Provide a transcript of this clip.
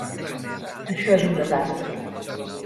Això és un desastre.